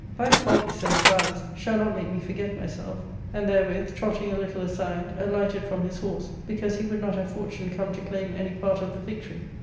"Thy folly," said Amphialus, "shall not make me forget myself ;" and therewith, trotting a little aside, alighted from his horse, because Jie would not have fortune come to claim any part of the victory.